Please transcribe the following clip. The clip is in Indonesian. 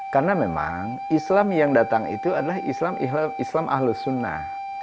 karena memang islam yang datang itu adalah islam ahlus sunnah